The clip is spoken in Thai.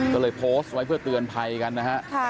ก็เลยโพสต์ไว้เพื่อเตือนภัยกันนะฮะ